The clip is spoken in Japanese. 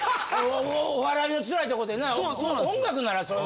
お笑いのつらいとこでな音楽なら。